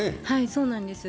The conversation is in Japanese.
そうなんです。